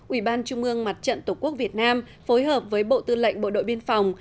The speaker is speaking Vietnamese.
ủy ban trung ương mặt trận tổ quốc việt nam phối hợp với bộ tư lệnh bộ đội biên phòng